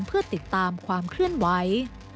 เพื่อติดตามความเคลื่อนไหว